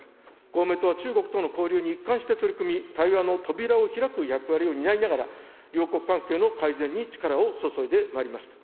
公明党は中国との交流に一貫して取り組み、対話の扉を開く役割を担いながら、両国関係の改善に力を注いでまいりました。